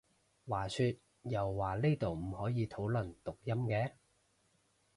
話說又話呢度唔可以討論讀音嘅？